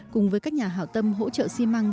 cùng với các nhà hảo tâm hỗ trợ xi măng